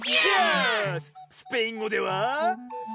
スペイン語では。